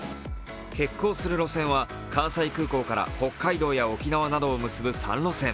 欠航する路線は、関西空港から北海道や沖縄などを結ぶ３路線。